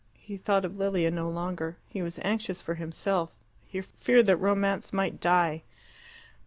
He thought of Lilia no longer. He was anxious for himself: he feared that Romance might die.